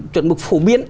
chuẩn mực phổ biến